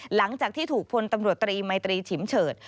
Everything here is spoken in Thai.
หลังจากที่ถูกพลตำรวจตรีมัยตรีฉิมเฉิด